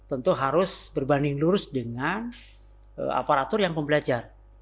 tentu harus berbanding lurus dengan aparatur yang pembelajar